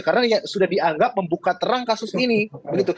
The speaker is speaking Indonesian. karena sudah dianggap membuka terang kasus ini